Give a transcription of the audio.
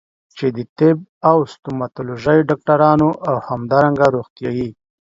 چې د طب او ستوماتولوژي د ډاکټرانو او همدارنګه د روغتيايي